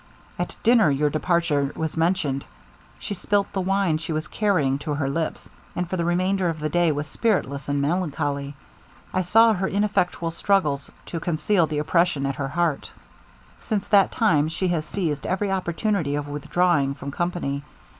At dinner your departure was mentioned: she spilt the wine she was carrying to her lips, and for the remainder of the day was spiritless and melancholy. I saw her ineffectual struggles to conceal the oppression at her heart. Since that time she has seized every opportunity of withdrawing from company.